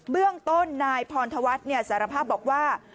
เรื่องต้นนายพรธวัฒน์สารภาพบอกว่า